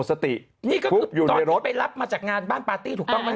สตินี่ก็คือตอนที่ไปรับมาจากงานบ้านปาร์ตี้ถูกต้องไหม